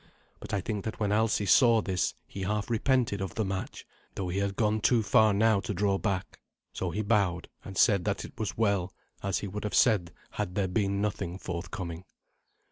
But I think that when Alsi saw this he half repented of the match, though he had gone too far now to draw back. So he bowed, and said that it was well, as he would have said had there been nothing forthcoming.